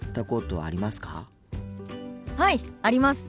はいあります。